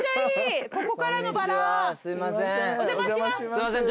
すいません。